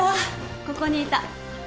ここにいた。